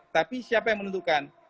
tapi siapa yang menentukan